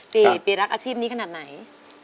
ปีรักอาชีพนี้ขนาดไหน